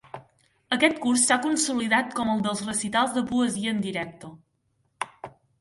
Aquest curs s'ha consolidat com el dels recitals de poesia en directe.